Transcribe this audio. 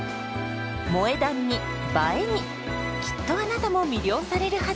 「萌え断」に「映え」にきっとあなたも魅了されるはず！